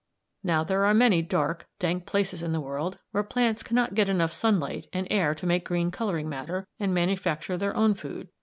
"Now there are many dark, dank places in the world where plants cannot get enough sunlight and air to make green colouring matter and manufacture their own food.